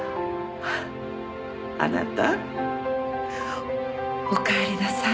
あなたおかえりなさい。